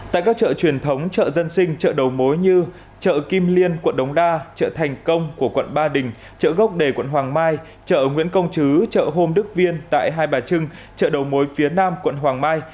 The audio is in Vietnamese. tại các chợ truyền thống chợ dân sinh chợ đầu mối như chợ kim liên quận đống đa chợ thành công của quận ba đình chợ gốc đề quận hoàng mai chợ nguyễn công chứ chợ hôm đức viên tại hai bà trưng chợ đầu mối phía nam quận hoàng mai